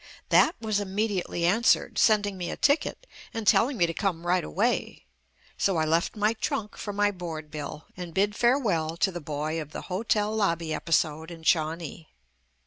That was immediately answered, sending me a ticket and telling me to come right away. So JUST ME I left my trunk for my board bill, and bid fare well to the boy of the hotel lobby episode in Shawnee.